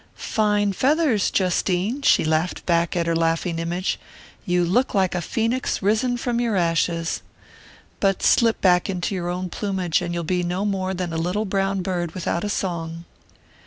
"Fine feathers, Justine!" she laughed back at her laughing image. "You look like a phoenix risen from your ashes. But slip back into your own plumage, and you'll be no more than a little brown bird without a song!"